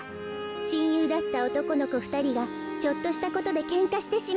しんゆうだったおとこのこふたりがちょっとしたことでけんかしてしまうの。